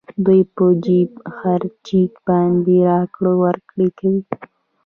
دوی په جېب خرچې باندې راکړه ورکړه کوي